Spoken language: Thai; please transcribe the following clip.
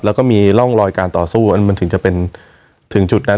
แล้วก็มีร่องรอยการต่อสู้มันถึงจะเป็นถึงจุดนั้น